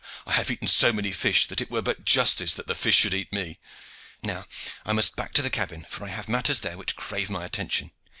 I have eaten so many fish that it were but justice that the fish should eat me. Now I must back to the cabin, for I have matters there which crave my attention."